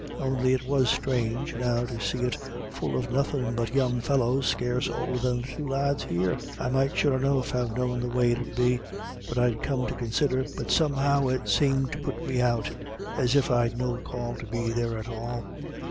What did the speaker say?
On'y it was strange, now, to see it full of nothin' but young fellows, scarce oulder than the two lads there. I might, sure enough, have known the way it 'ud be, if I'd come to considher, but somehow it seemed to put me out, as if I'd no call to be there at all.